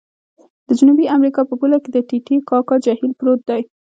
د جنوبي امریکا په پوله کې د ټې ټې کاکا جهیل پروت دی.